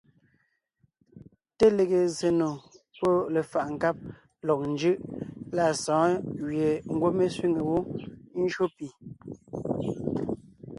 Te lege zsè nò pɔ́ lefaʼ nkáb lɔg njʉʼ lâ sɔ̌ɔn gẅie ngwɔ́ mé sẅîŋe wó ńjÿó pì.